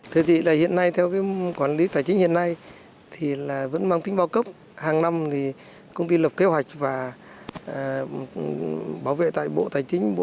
thế thì là hiện nay theo cái quản lý tài chính hiện nay thì là vẫn mang tính bao cấp hàng năm thì công ty lập kế hoạch và bảo vệ tại bộ tài chính